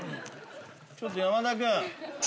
ちょっと山田君！